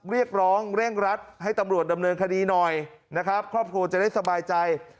เรียกร้องเร่งรัดให้ตำรวจดำเนินคดีหน่อยนะครับครอบครัวจะได้สบายใจ